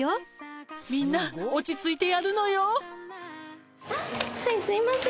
「みんな落ち着いてやるのよ」